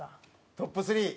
トップ３。